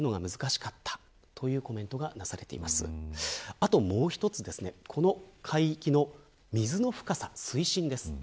あともう一つこの海域の水深です